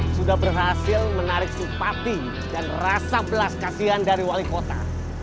sudah berhasil menarik simpati dan rasa belas kasihan dari wali kota